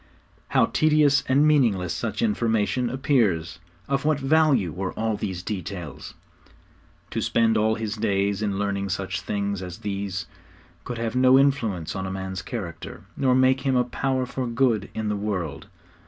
How tedious and meaningless such information appears! Of what value were all these details? To spend all his days in learning such things as these could have no influence on a man's character, nor make him a power for good in the world.